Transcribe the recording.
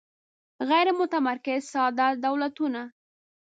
غیر متمرکز ساده دولتونه